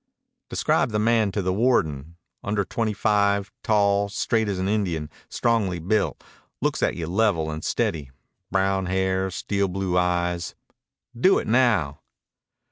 Describe the man to the warden: under twenty five, tall, straight as an Indian, strongly built, looks at you level and steady, brown hair, steel blue eyes. Do it now."